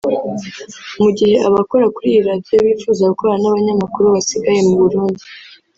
Mu gihe abakora kuri iyi radio bifuza gukorana n’abanyamakuru basigaye mu Burundi